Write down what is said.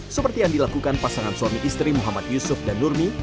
seperti yang dilakukan pasangan suami istri muhammad yusuf dan nurmi